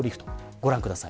ご覧ください。